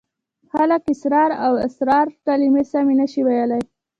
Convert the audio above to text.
خلک اسرار او اصرار کلمې سمې نشي ویلای.